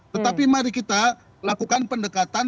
tetapi mari kita lakukan pendekatan